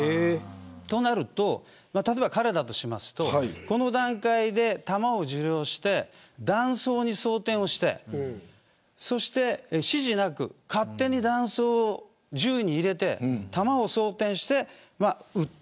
となると、例えば彼だとするとこの段階で弾を受領して弾倉に装填して指示なく勝手に弾倉を銃に入れて弾を装填して撃ったと。